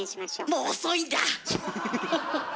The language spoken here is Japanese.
もう遅いんだ！